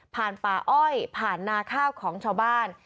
ป่าอ้อยผ่านนาข้าวของชาวบ้าน